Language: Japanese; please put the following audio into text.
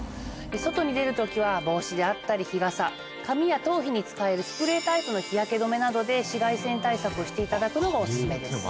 外に出る時は帽子であったり日傘髪や頭皮に使えるスプレータイプの日焼け止めなどで紫外線対策をしていただくのがオススメです。